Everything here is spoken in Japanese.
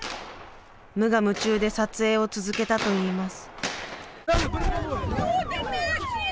無我夢中で撮影を続けたといいます。